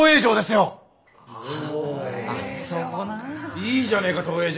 いいじゃねえか東映城。